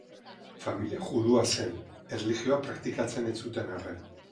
Familia judua zen, erlijioa praktikatzen ez zuten arren.